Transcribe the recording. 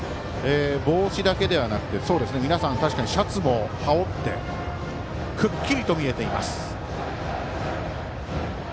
帽子だけではなくシャツも羽織ってくっきりと見えています。